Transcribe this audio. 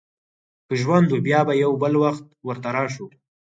که ژوند و، بیا به یو بل وخت ورته راشو.